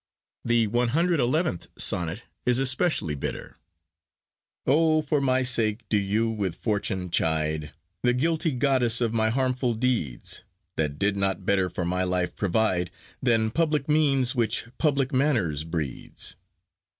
The 111th Sonnet is especially bitter:— O, for my sake do you with Fortune chide, The guilty goddess of my harmful deeds, That did not better for my life provide Than public means which public manners breeds.